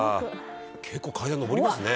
結構階段上りますね」